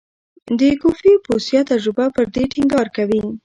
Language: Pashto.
د کوفي بوسیا تجربه پر دې ټینګار کوي.